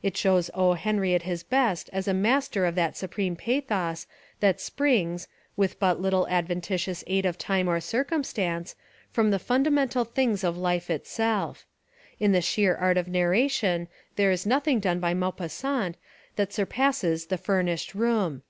It shows O. Henry at his best as a master of that supreme pathos that springs, with but little ad ventitious aid of time or circumstance, from the fundamental things of life itself. In the sheer art of narration there is nothing done by Maupassant that surpasses The Furnished Room.